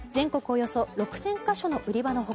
およそ６０００か所の売り場の他